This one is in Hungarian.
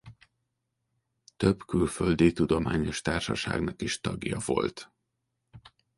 Több külföldi tudományos társaságnak is tagja volt.